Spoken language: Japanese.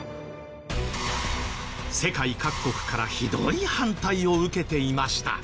世界各国からひどい反対を受けていました。